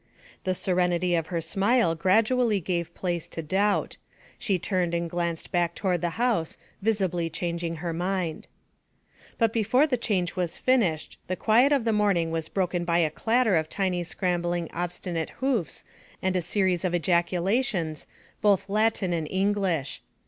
The serenity of her smile gradually gave place to doubt; she turned and glanced back toward the house, visibly changing her mind. But before the change was finished, the quiet of the morning was broken by a clatter of tiny scrambling obstinate hoofs and a series of ejaculations, both Latin and English.